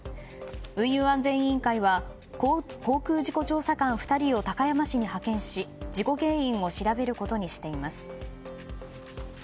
運輸安全委員会は航空事故調査官２人を高山市に派遣し、事故原因を調べることにしています。